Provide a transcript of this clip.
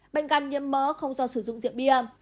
bệnh gan nhiễm mớ không do sử dụng rượu bia